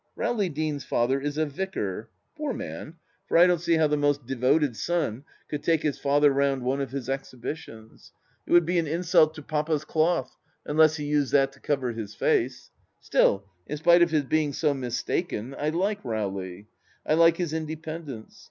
•.. Rowley Deane's father is a vicar— poor man, for I don't THE LAST DITCH 239 see how the most devoted son could take his father round one of his exhibitions 1 It would be an insult to Papa's cloth, unless he used that to cover his face 1 Still, in spite of his being so mistaken, I like Rowley. I like his inde pendence.